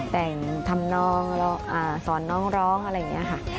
แต่งทำนองสอนน้องร้องอะไรอย่างนี้ค่ะ